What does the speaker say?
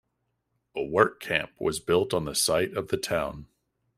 A work camp was built on the site of the town.